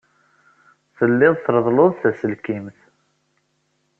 Tellid treḍḍled-d taselkimt.